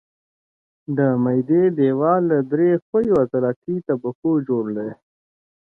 د معدې دېوال له درې ښویو عضلاتي طبقو جوړ دی.